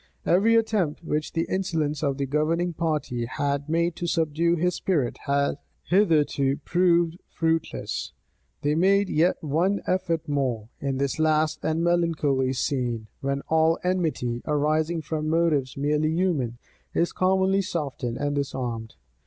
Every attempt which the insolence of the governing party had made to subdue his spirit, had hitherto proved fruitless; they made yet one effort more, in this last and melancholy scene, when all enmity, arising from motives merely human, is commonly softened and disarmed.